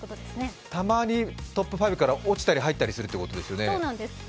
たまにトップ５から落ちたり入ったりするということ。